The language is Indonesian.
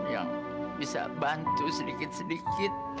yang bisa bantu sedikit sedikit